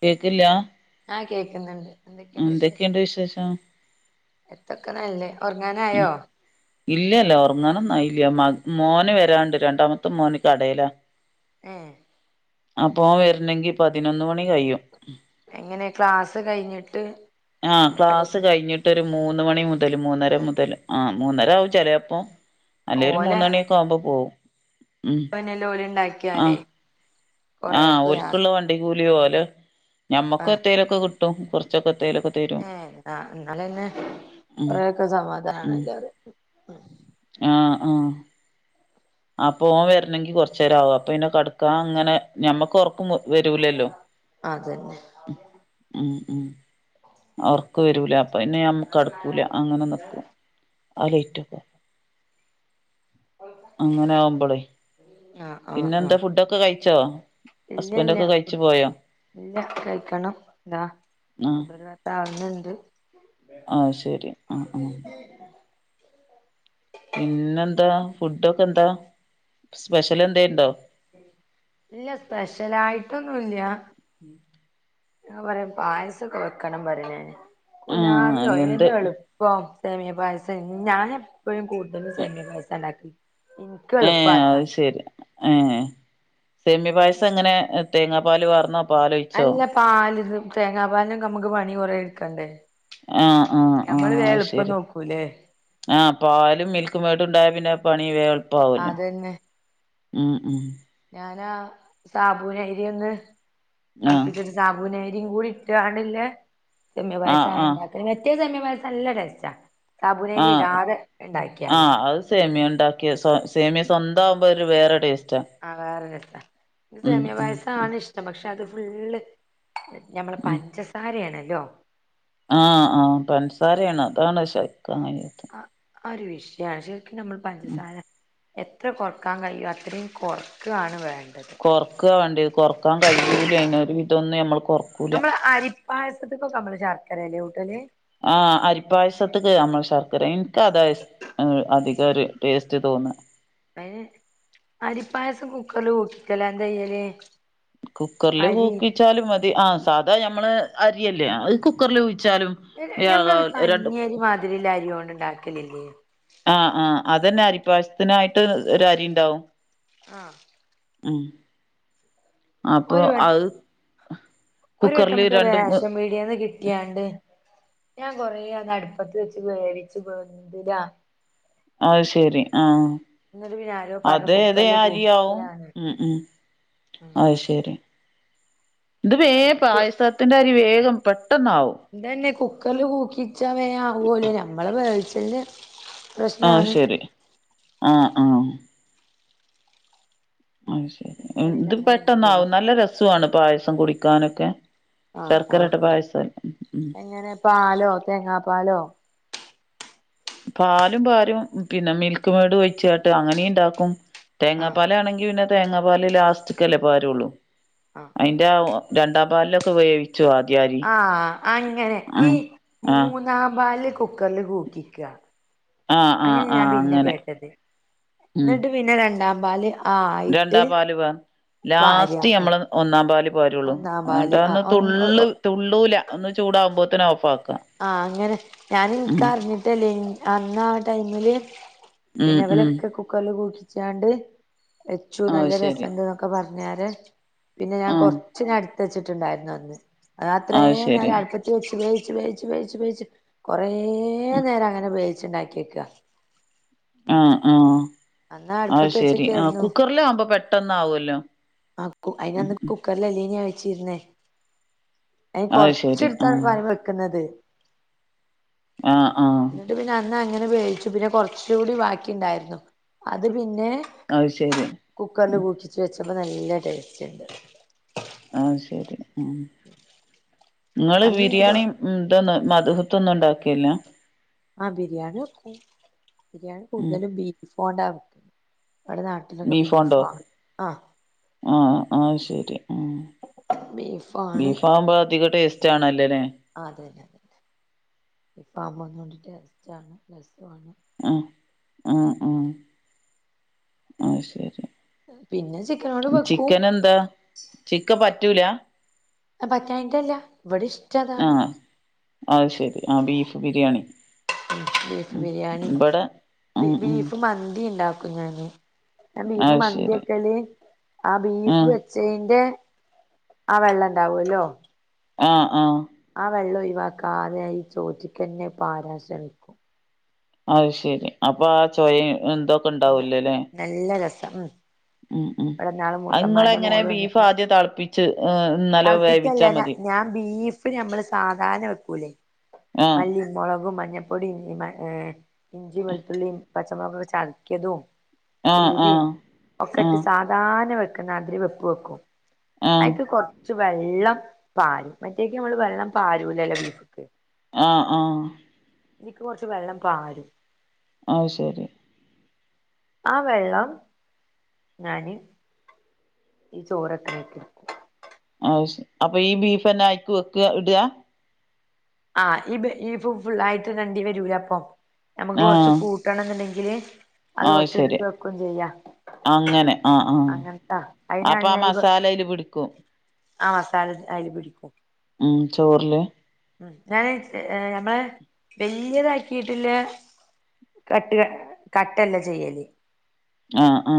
കേക്കില്യാ ആ കേക്കുന്നുണ്ട് എന്തൊക്കെയ വിശേഷം വിശേഷം എത്തക്കണല്ലേ ഉം ഇല്ല്ല്ല്യാ ഒറങ്ങാനൊന്നും ആയില്യാ മോന് വരാണ്ട് രണ്ടാമത്തെ മോന് കടെല ഏഹ് അപ്പൊ അവൻ വരണെങ്കി പതിനൊന്ന് മണി കയ്യും. എങ്ങനെ ക്ലാസ് കഴിഞ്ഞിട്ട് ആഹ് ക്ലാസ് കഴിഞ്ഞിട്ട് മൂന് മണി മുതല് മൂന്നര മുതല് ആഹ് മൂന്നര ആവും ചിലപ്പം അല്ല ഒരു മൂന് മണിയൊക്കെ ആവുമ്പോ പോവും ഉം പ്പനെല്ലേ ഓല് ഇണ്ടാക്കിയാല് ആഹ് ഓല്ക്കുള്ള വണ്ടി കൂലി ഓല് ഞമ്മക്ക് എത്തേലൊക്കെ കിട്ടും കൊറച്ചൊക്കെ ഏഹ് ന്നാ എന്നാലന്നെ ഉം കൊറെയൊക്കെ സമാധാനാണ് ഉം എല്ലാരും ആഹ് അപ്പുമോ വരണെങ്കി കൊറച്ചേരാവും അപ്പൊ പിന്നെ കടക്കാ അങ്ങനെ ഞമ്മക്ക് ഒറക്കും വരൂലല്ലോ അതന്നെ ഉം ഉം അവർക്ക് വരൂല അപ്പ പിന്നെ നമ്മക്ക് കെടുക്കൂല അങ്ങനെ നിക്കും ആ ലെയ്റ്റൊക്കെ അങ്ങനെ ആവുമ്പോളെ ആഹ് ആഹ് പിന്നെന്താ ആഹ് ഫുഡൊക്കെ കഴിച്ചോ? ഇല്ല ഹസ്ബന്റെ ഇല്ല ഒക്കെ കഴിച്ചു പോയോ ഇല്ല കഴിക്കണം ഇതാ ആഹ് ഇതൊരു വട്ടാ ആവുന്നുണ്ട് ആഹ് ശരി ആഹ് ആഹ് [unintelligible] പിന്നെന്താ ഫുഡൊക്കെ എന്താ സ്പെഷ്യൽ എന്തേ ഉണ്ടോ ഇല്ല സ്പെഷ്യലായിട്ടൊന്നുല്ല ഉം ഞാ പറയാ പായസൊക്കെ വെക്കണം പറന് ആഹ് കുലാബിയോ എന്ത് ഏത് എളുപ്പം സെമിയ പായസ ഞാൻ എപ്പോഴും കൂട്ടുതലും സെമിയ പായസ ഉണ്ടാക്കി ഏഹ് അത് ശരി ഏഹ് സേമിയ പായസം എങ്ങനെ തേങ്ങാ പാൽ വർന്ന അല്ല പാല് ഇത് തേങ്ങാ പാലുംക്കെ നമുക്ക് പണി കുറ എടുക്കണ്ടേ ആഹ് ആഹ് ഞമ്മള് ആഹ് വേം അത് എളുപ്പം ശരി നോക്കൂലേ ആഹ് പാലും മിൽക്ക്‌മേടും ഉണ്ടായ പിന്നെ പണി വേ അതന്നെ ഉം ഉം ഞാനാ സാബൂന് എരിയ ഒന്ന് ആഹ് കളപ്പിച്ചിട്ട് സാബൂന് [unintelligible] സമ്യ ആഹ് പായസ ആഹ് ഉണ്ടാക്ക വറ്റയ സമ്യ പായസം അല്ല ടെസ്റ്റാ സാബുനേരി ആഹ് ഇടാതെ ഉണ്ടാക്കിയാല് ആഹ് അത് സേമിയ ഉണ്ടാക്കിയ സമി സ്വന്തമാവുമ്പോ ഒരു വേറെ ടേസ്റ്റ് ആ വേറെ രസ എനിക്ക് സമിയ ഉം പായസാണ് ഇഷ്ടം പക്ഷെ അത് ഫുള്ള് ഞമ്മൾ പഞ്ചസാരയാണല്ലോ? ആഹ ആഹ പഞ്ചസാരയാണ് അതാണ് സഹിക്കാൻ കഴിയാത്ത ആ ആ ഒരു വിഷയമാണ് ശരിക്കും നമ്മൾ പഞ്ചസാര എത്ര കുറക്കാൻ കഴിയും അത്രയും കുറക്കയാണ് വേണ്ട കൊറക്കാ വേണ്ടിത് കൊറക്കാൻ കഴിയൂല അതിനൊരു വിട്ടൊന്നന്ന് നമ്മൾ കൊറക്കൂല നമ്മള് അരിപ്പായസത്തിക്കൊക്കെ നമ്മള് [unintelligible] ആ് അരിപ്പായസത്തക്ക് നമ്മൾ ശർക്കര എനിക്ക് അതാ ഇഷ് അതികം ഇത ഒരു ടേസ്റ്റ് തോന്ന [unintelligible] അരിപ്പായസം കുക്കറിൽ [inaudible] എന്താ ചെയ്യാൽ കുക്കറില് കുക്കിച്ചാലും മതി ആ സാധാ ഞമ്മള് അരിയല്ലേ അത് കുക്കറിൽ ഞമ്മൾ ഒരു കഞ്ഞി അരി മാതിരില്ല അരിവോണ്ട് ഉണ്ടാക്കലില്ലേ ആഹ് ആഹ് അതന്നെ അരി പായസത്തിനായി ഒരു അരി ഉണ്ടാവും ആഹ ഉം അപ്പൊ അത് ഒരുവട്ടം കുക്കറില് നമുക്ക് രണ്ട് മ് റേഷൻ പിടിയന്ന് കിട്ടിയണ്ട് ഞാൻ കൊറ അ അടുപ്പത്ത് വെച്ച് വേവിച്ചു വേവിച്ചു ആ [inaudible] അത് ശെരി ആഹ എന്നിട്ട് പിന്നെ ആരോ പറഞ്ഞു അതെ അതെ കുക്കറിൽ അരിയാവും കൂക്കിക്കലാണ് മ്മ് മ് അത് ശരി ഇത് വേ പായസത്തിന്റെ അരി വേഗും പേ എന്തന്നെ കുക്കറിൽ പൂക്കിച്ച വേ ആവലോ നഞമ്മള് വേവിച്ചു ആഹ ശരി ആഹ ആഹ അ ശരി എന്താ അറിയില്ല ഇത് അന്ന് വെന്തില്ല പെട്ടന്നാവും നല്ല രസമാണ് പായസം കുടിക്കാനൊക്കെ ആഹ ശർക്കര ആഹ് ഇട്ട ആ പായസം ഉം എങ്ങനെ പാലോ തേങ്ങാ പാലോ പാലും പാലും പിന്നെ മിൽക്ക് മേഡ് ഒഴിച്ച കേട്ട് അങ്ങനെയ ഇണ്ടാക്കും ആഹ് തേങ്ങാപ്പാല ആണെങ്കി പിന്നെ തേങ്ങാപ്പാല ലാസ്റ്റ്ക്ക്അല്ലെ പകരുള്ളൂ ആഹ് ആഹ് അയിന്റെ രണ്ടാം പാലിലൊക്കെ വേവി ആ അങ്ങനെ ഈ ആഹ് ആഹ് മൂന്നാംമ്പാല് കുക്കറില് കൂക്കിക്കുക ആഹ് ആഹ് അങ്ങനെ ഞാൻ ആഹ് പിന്നെ അങ്ങനെ കേട്ടത് ഉം എന്നിട്ട് പിന്നെ രണ്ടാ രണ്ടാം പാല് ലും ലാസ്റ്റ് പാരാ നമ്മൾ ഒന്നാം പാല് വരുള്ളൂ ഒന്നാം എന്നിട്ട് പാല് ആ അന്ന് ഒന്ന് ഒ തുള്ളള് ഒ തുള്ളൂല അന്ന് ചൂടാകുമ്പോത്തേനെ ഓഫ് ആക്കും ആഹ അങ്ങനെ ഞാൻ ഇനിക്ക അറിഞ്ഞിട്ടല്ലേനീ അന്ന ആ ടൈമില് ഉം ഉം പിന്നെവലൊക്കെ കുക്കറിൽ കുൂക്കിച്ചാണ്ട് വച്ചു അത് നല്ല ശരി രസമുണ്ട് എന്നൊക്കെ പറഞ്ഞു ഞന് പിന്നെ ഞാൻ ആഹ് കൊറച്ചിന എടുത്തു വെച്ചിട്ടുണ്ടായിരുന്നു അന്ന് അത് അത്രയും നേരം അടുപ്പത്തി വെച്ച് വേച്ച് വേച്ച് വേച്ച് വേച്ച് കൊറ കുറെ നേരം അങ്ങനെ വേവിച്ച് ഉണ്ടാക്കിയിരിക്കുവാ മ്മ് മ്മ് അത് അടുപ്പത്ത് ശരി ആ വെച്ചൊക്കെയായിരുന്നു കുക്കറില ആവുമ്പോ പെട്ടന് ആവുല്ലോ ആ അയിനന്ന് കുക്കറൽല്ലീന വച്ചിരുന്നേ അ അത് ശരി കൊറച്എടുത്ത പാൽ വെക്കുന്നത് ആഹ ആഹ ഇങ്ങനെ വേവിച്ചു പിന്നെ കുറച്ച കൂടി ബാക്കിണ്ടായിരുന്നു അത് പിന്നെ അത് ശരി പിന്നെ കുക്കറില് ഉം പൂക്കി വെച്ചപ്പോ നല്ല ടേസ്റ്റ് ഉണ്ട് ആത് ശരി ഉ നിങ്ങള് അന്ന് എനിക്ക് തോ ബിരിയാണി ഇതൊന്നും അല്ല മധുഹത്തൊന്നും ഉണ്ടാക്കിയില്ല ആഹ ബിരിയാണിക്ക ബിരിയാണി ഉം കൂടുതലും ബീഫോണ്ടാ കൊണ്ട ബീഫോണ്ടോ ആഹ ആഹ ശരി ഉം ബീഫാണ് ബീഫ് ആവുമ്പോ അധിക ടേസ്റ്റ് ആണല്ലോ അതന്നെ അതന്നെ ബീഫാ മ്പോ ഒന്നൂടി ടേസ്റ്റാണ് രസ ആ ആ അത് ശരി പിന്നെ ച്ചി ചിക്കൻ എന്താ ചിക്ക പറ്റൂല അഹ് പറ്റാഞ്ഞിട്ടല്ല ഇവിടെ ഇഷ്ടതാണ് അഹ് ശെരി ആ ബീഫ് ബിരിയാണി ബീഫ് ഉം ബിരിയാണി ഇവിടെ ബി ഉം ഉം ബീഫ് മന്തി ഇണ്ടാക്കും ഞാന് ഞാൻ ബീഫ് അത് ശരി മന്തിക്കല് ആ ബീഫ് ആഹ് വെച്ചേന്റെ ആ വെള്ളം ഇണ്ടാവോലോ ആആ ആ വെള്ളം ഒയ് വാക്കാതെ ഈ ചോറ്റ്ക്കന്നെ പാരാൻ ശ്രമിക്കും അഹ് ശരി അപ്പാ ആ ചോയിം ന്തൊക്കെ ണ്ടാവല്ലോലെ നല്ല രസം ഉം ഉം ഉം ഇവിടെന്നാള് അഹ് ഇങ്ങളെ മൂത്തമ്മാന്റെ എങ്ങനെ മോള് ബീഫ് വന്നിട്ട് ആദ്യം തൾപ്പിച്ച് നല്ലോം തളപ്പിക്കല്ല വേവിച്ചാ മതി ഞാൻ ബീഫ് ഞമ്മളെ സാധാരണ വെക്കൂല്ലേ ആഹ് മല്ലി മൊളകും മഞ്ഞ പ്പൊടി ഏ ഇഞ്ചി വെളുത്തുള്ളി പച്ചമുളകക്കൊക്കെ ചതക്കിയതും ആഹ് ഉലുവിം ആഹ് ഒക്കെട്ട് ആഹ് സാധാരണ വെക്കുന്നതിരി വെപ്പ് വെക്കും ആഹ് അയ്ക്ക് കൊർ ച്ച്‌ വെള്ളം പാരും മറ്റേക്ക് നമ്മൾ വെള്ളം പരുൂലല്ലോ ബീഫ്‌ക്ക് ആ ആ ഇതീക്ക് കൊർച് വെള്ളം പാരും അ ഹ് ശെരി ആ വെള്ളം ഞാന് ഈ ചോറ ക്ക്‌ണേക്ക് ഇട് ക്കും അഹ് ശെ അപ്പൊ ഈ ബീഫന്നെ അയ്ക്ക് വെക്ക ഇടാ ആഹ് ഈ ബീ ഫും ഫുള്ളായിട്ട് ടണ്ടി വരൂല അപ്പൊ നമക്ക് കൊറച്ച് ആഹ് കൂട്ടണംന്ന്ണ്ടെ ങ്കില് അത് കൊറച്ച് ട്ത്ത് വെക്കും ചെയ്യാ അങ്ങനെ ആ അങ്ങനത്താ അയിനാണ് ആഅപ്പൊ ആ ഞാൻ ഈ മസാലഅയ്ല് പിടിക്കും ആ മസാല അയ്ല്‌ പിടിക്കും ചോറ്ല് ഉം ഞാനയ് ഞമ്മളെ വല്ല്യതാക്കീട്ടില്ലെ കട്ട് കട്ടല്ല ചെയ്യല് ആ ആ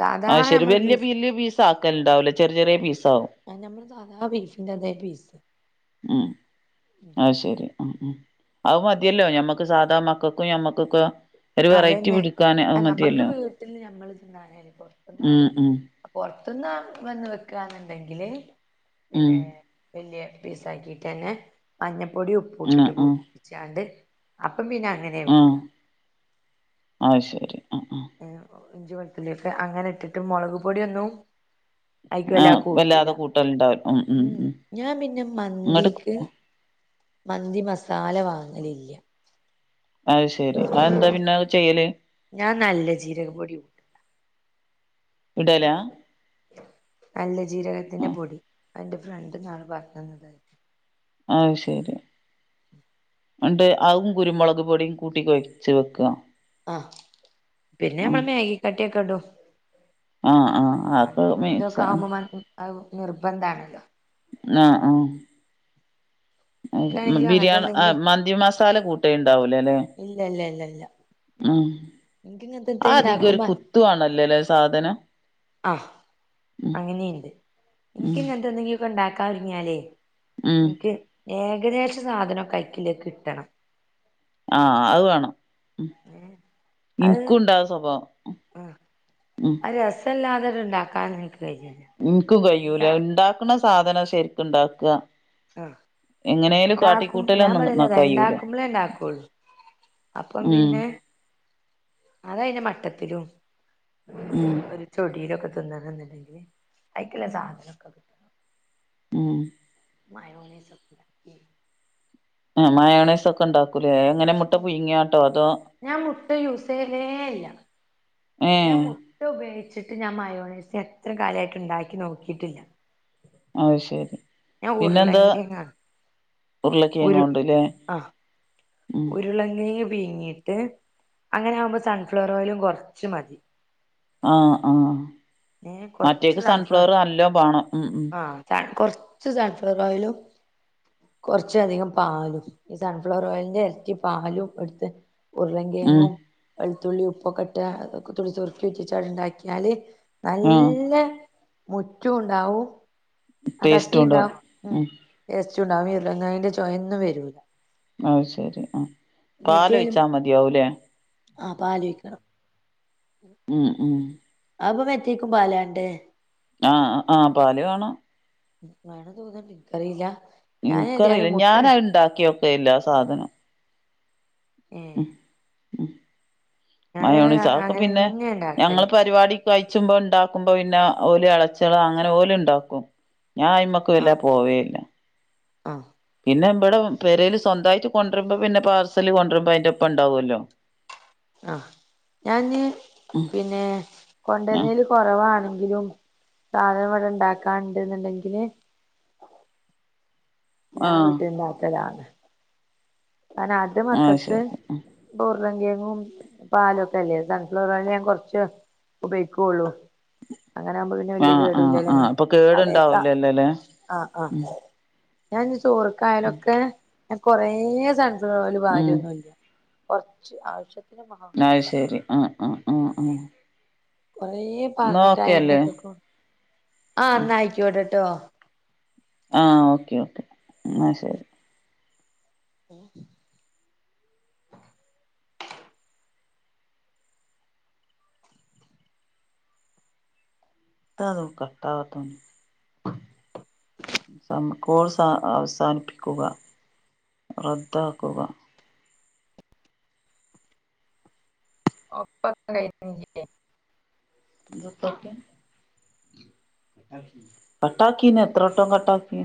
സാധാ അഹ് ശെരി നമ്മള് വല്യ ബീഫ് വല്യ പീസാക്കൽണ്ടാവൂല ചെർ ചെറെ പീസാവും ആ നമ്മള സാധാ ബീഫിന്റെ അതേ പീസ് ഉ അഹ് ശരി ഉ ഉ അത് മതിയല്ലോ ഞമ്മക്ക് സാധാ മക്കൾക്കും ഞമ്മക്കൊക്കെ ഒരു വെറൈറ്റി പിടിക്കാൻ ആ നമ്മക്ക് വീട്ടില് ഞമ്മള് തിന്നാനല്ലേ പൊറത്ത്ന്ന് ഉം ആരും ഉം പൊർ ത്ത്ന്ന വന്ന് വെക്കാന്ന്ണ്ടെങ്കില്‌ ഉം പിന്നെ വല്യയ പീസാക്കിട്ട്ന്നെ മഞ്ഞപ്പൊടി ഉപ്പും ആഹ് ഇട്ടിട്ട് കൂകിച്ചാണ്ട് അ പ്പം പിന്നെ അങ്ങനെ വെക്കാ അഹ് ശരി ആഹ് ആഹ് ഇഞ്ച് വെൾത്തുളിയൊക്കെ അങ്ങനെ ഇട്ടിട്ട് മുളക് പൊടിയൊന്നും അയിക്ക് [inaudible] ആ വല്ലാ കൂട്ടൂല വല്ലാതെ കൂട്ടൽ ണ്ടാവു ഉ ഉ ഉം ഉ ഞാൻ പിന്നെ ഇന്നട്ട് മന്തിക്ക് [inaudible] മന്തി മസാല വാങ്ങ ല് ല്ല അഹ് ശെരി അഹ്‌ എന്താ പിന്നെ അഹ് ചെയ്യല് ഞാൻ നല്ല ജീരക പൊടി കൂട്ടും ഇടലാ നല്ല ജീരകത്തിന്റെ ആഹ് പൊടി അയ്ന്റെ ഫ്രണ്ട് ന്നാള് പറഞന്നത അ ശരി ഉണ്ട് അവും കുരുമുളക്പൊഡിം കൂട്ടികൊയച്ച് വെക്ക അ പിന്നെ നമ്മള് മാഗികട്ട ക്കെ ഇടും ആഹ് ആഹ് അതൊക്കെ മന്തീ തൊക്കെ മിക്സ് ആവുമ്പോ അഹ് നിർബന്ധാണ്. ആ ആ എനിക്കാണെങ്കിലും ബിരി അ മന്തി മസാല കൂട്ടേ ഇല്ലല്ല ല്ല ല്ല ഉംആ അധികൊരു ഇണ്ടാക്കുമ്പോ കുത്തുവാണല്ലോലേ സാധനം അഹ് ഉം അങ്ങനെണ്ട് ഇൻക്ക് ഉം ഇങ്ങനത്തെന്തെങ്കിലും ഇണ്ടാക്കാൻ ഒരുങ്ങിയാലേയ് ഉം നിക്ക് ഏകദേശസാധനൊക്കെ അയ്ക്ക്‌ള്ളത് കിട്ടണം. ആ അവ് വേണം മ് ഏഹ് ഇനിക്കുണ്ടാസ്വഭാവം. അ അരസല്ലാതടണ്ട് ണ്ടാക്കാൻ ഇൻ ഇൻക്കും കഴിയൂലാ ണ്ടാക്ണ സാധനം ശരിക്ക്‌ണ്ടാക്ക അ ണ്ടാക്കും ഞാൻ കാട്ടിക്കൂട്ടലൊന്നും ന പറയല്ലത് കയ്യൂല ണ്ടാക്കുമ്പോളേ ണ്ടാക്കൊള്ളു അപ്പം ഉം പിന്നെ അതയ്‌ന്റെ മട്ടം ത്തിലും ഉം ഒരുചൊടിയിലൊക്കെ തിന്നണന്ന്ണ്ടെങ്കില് അയ്ക്ക്ള്ള സാധനൊക്കെ ഉം മായോണസൈക്കെ മയോണയ്സൊക്കെ ണ്ടാക് ക്കുലേ എങ്ങനെ മുട്ട പുയ്ങ്യാണ്ടോ അതോ ഞാൻ മുട്ട യൂസ് ചെയ്യലേ ഇല്ല ഏ ഞാൻ മുട്ട ഉപയോഗി ച്ചിട്ട് ഞാമായോണൈസ് എത്ര കാലായിട്ട്ണ്ടാക്കി നോക്കിട്ടില്ല. അവ്ശരി ഞാൻ ഉര്ലകെയങാണ്. ഉരുളക്കെയങ്ങോണ്ട്ലെ. ഉരുളകെയങ് പീങ്ങിട്ട് അങ്ങനാവുമ്പോ സൺഫ്ലവറോയിലും കൊറച്ച് മതി ആ അ ഏ കുറച്ച് മറ്റേക്ക് സൺഫ്ലവർ നല്ലാം ബേണം ഉം ഉം കുർചു സാൻഫ്ലവറോയിലും കൊറച്ചധികം പാലും ഈ സൺഫ്ലവറോയിലിന്റെ എരട്ടി പാലും എടുത്ത് ഉരുളൻ ഉം കേങ്ങും വെളുത്തുള്ളി ഉപ്പൊക്ക്‌ട്ട തുള്ളി സുർക്കെ ഉറ്റിചവ്ടെണ്ടാക്കിയാല് ആഹ് നല്ല മുറ്റൂണ്ടാവും ആ ടേസ്റ്റ് കട്ടിണ്ടാ ഉണ്ടാവും ഉം ടെസ്റ്റൂണ്ടാവും ഈ ഉരുളകിഴങ്ങിന്റെ ചൊയൊന്നും വരൂല. അശെരി അ മറ്റേലും പാലൊയ്ച്ചാ മതിയാവൂലെ ആ പാലൊയ്ക്കണം ഉം ഉം അപ്പ മറ്റേക്കും പാലെണ്ടെ ആ അ പാല് വേണം. വേണം തോന്ന്ണ് ഇൻക്കറിലാ ഇനിക്കറില ഞാനാത്ണ്ടാക്ക്യോക്കലില്ലാ ആ സാധനം ഏ ഞാൻ മയോണിസ അതൊക്കെ അങ്ങനെ പിന്നെ തന്നെ ഞങ്ങള ഉണ്ടാക്കല് പരിപാടിക്ക്‌ കഴിച്ചുമ്പ ണ്ടാക്കുമ്പൊ പിന്നെ ഓല് എളച്യാള് അങ്ങനെ ഓല്ണ്ടാക്കും. ഞാൻ അയ്മക്ക് വല്ലാതെ പോവേയില്ല അ പിന്നെബ്ടെ പെരേല് സ്വന്തായിട്ട് കൊണ്ട്രുമ്പ പിന്നെ പാർസല് കൊണ്ട്രുമ്പോ അയ്ന്റൊപ്പം ണ്ടാവോല്ലൊ. അ ഞാ ഇഞ്ഞി പിന്നെ ആഹ് കോണ്ട്രണേല് കൊറവാണെങ്കിലും സാധനവ്ടെ ണ്ടാക്കാന്ണ്ട്ന്ന്ണ്ടെങ്കില് ഞാൻ ആഹ് വീട്ടിലിണ്ടാക്കലാണ്. ആ രാത്രി ആഹ് മക്കൾക്ക് ശരി ബോ ഉർള കിഴങ്ങും പാലൊക്കെ അല്ലേ സൺഫ്ലവറ് ഓയൽ ഞാൻകുറച്ച് ഉപയോഗിക്കുള്ളൂ അങ്ങനെ ആകുമ്പോ പിന്നെ വല്യയ ആഹ് ആഹ് കേടല്ലല്ലേ ആഹ് അപ്പൊ തലേയത്ത കേടുണ്ടാവൂലല്ലോല്ലേ ആ ആ ഉം ഞാൻ ചോറക്കായലൊക്കെ ഞൻ കൊറെ സൺഫ്ലവർ ഓയൽ ഉം പാരൊന്നുല്ല കുറച്ച് ആവശ്യത്തിന് അത് മാത്രം ശരി ആഹ ആഹ ആഹ ആഹ കൊറ പറഞ്ഞിട്ടാ എണ്ണക്കൊക്ക ആഹ എന്നയിക്കോട്ടട്ടോ ആ ഓക്കെ ഓക്കെ ആ ശരി ഓ ആ എത നോക്കഎതാ അവാത് കോഴ്സ് അവസാനിപ്പിക്കുക റദ്ദാക്കുക ഒപ്പകഴിഞ്ഞു നിന്റ [unintelligible] കട്ടാക്കി എത്രോട്ടം കട്ടാക്കി